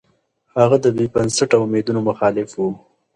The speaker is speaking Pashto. هغه د بې بنسټه اميدونو مخالف و.